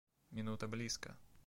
Минута близко.